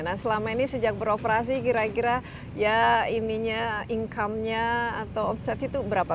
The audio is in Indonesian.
nah selama ini sejak beroperasi kira kira ya ininya income nya atau offset itu berapa